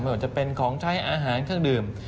ว่าจะเป็นของใช้อาหารเครื่องดื่ม